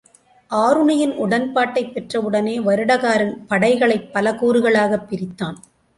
ஆருணியின் உடன்பாட்டைப் பெற்றவுடனே வருடகாரன் படைகளைப் பல கூறுகளாகப் பிரித்தான்.